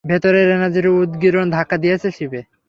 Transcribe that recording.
ভেতরের এনার্জির উদগীরণ ধাক্কা দিয়েছে শিপে!